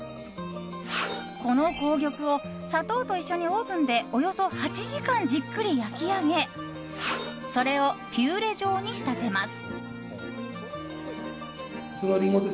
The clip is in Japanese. この紅玉を砂糖と一緒にオーブンでおよそ８時間じっくり焼き上げそれをピューレ状に仕立てます。